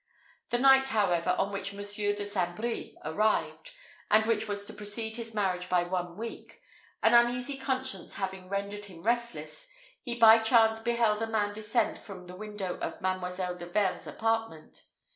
The night, however, on which Monsieur de St. Brie arrived, and which was to precede his marriage by one week, an uneasy conscience having rendered him restless, he by chance beheld a man descend from the window of Mademoiselle de Vergne's apartment.